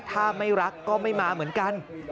ถ้าไม่รักก็ไม่มาเหมือนกัน